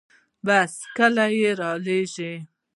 بس کله روانیږي؟